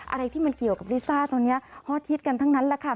อะไรที่มันเกี่ยวกับลิซ่าตอนนี้ฮอตฮิตกันทั้งนั้นแหละค่ะ